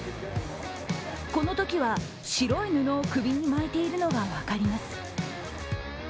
このときは、白い布を首に巻いているのが分かります。